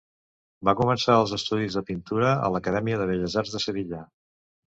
Va començar els estudis de pintura a l'Acadèmia de Belles Arts de Sevilla.